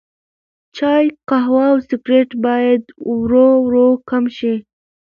چای، قهوه او سګرټ باید ورو ورو کم شي.